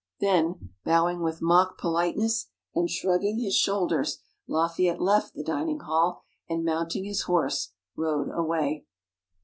Then, bowing with mock politeness and shrugging his shoulders, Lafayette left the dining hall, and mounting his horse rode away.